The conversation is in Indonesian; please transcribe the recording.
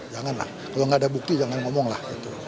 jangan lah kalau nggak ada bukti jangan ngomong lah